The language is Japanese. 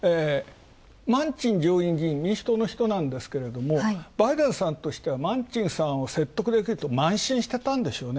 マンチン上院議員、民主党の人なんですけども、バイデンさんとしてはマンチンさんを説得できると慢心してたんでしょうね。